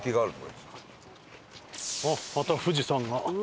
あっまた富士山が。